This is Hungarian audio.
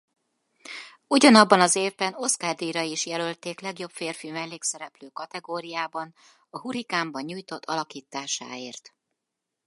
Ugyanabban az évben Oscar-díjra is jelölték legjobb férfi mellékszereplő kategóriában A hurrikánban nyújtott alakításáért.